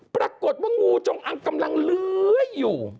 ปรากฏว่างูจงอังกำลังเลื้อยอยู่